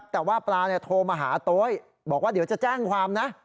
แต่ว่าปลาโทรมาหาโต๊ยบอกว่าเดี๋ยวจะแจ้งความนะ